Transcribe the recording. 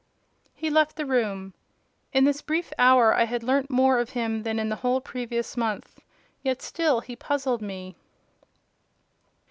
He left the room. In this brief hour I had learnt more of him than in the whole previous month: yet still he puzzled me.